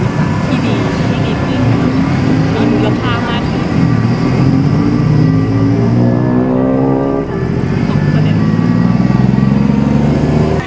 ซึ่งให้มีชีวิตการไพ่ดีอย่างมีรัคภาพ